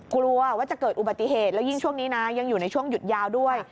กลัวว่าจะเกิดอุบัติเหตุแล้วยิ่งช่วงนี้นะยังอยู่ในช่วงหยุดยาวด้วย